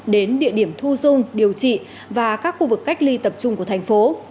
đến địa điểm thu dung điều trị và các khu vực cách ly tập trung của thành phố